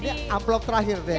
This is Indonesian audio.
ini amplop terakhir dia ya